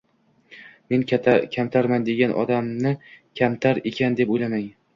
Men kamtarman degan odamni kamtar ekan deb o`ylamang